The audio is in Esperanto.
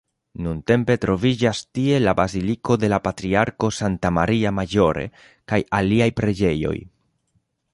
Nuntempe troviĝas tie la baziliko de la patriarko Santa Maria Maggiore kaj aliaj preĝejoj.